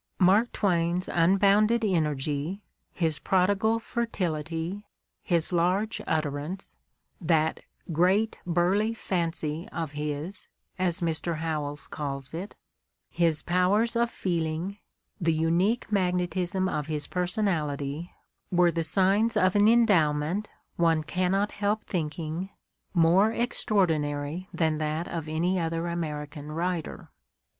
Mark Twain's unbounded energy, his prodigal fertility, his large utterance, that "great, burly fancy" of his, as Mr. Howells calls it, his powers of feeling, the unique magnetism of his personality were the signs of an endowment, one cannot help think ing, more extraordinary than that of any other Ameri can writer.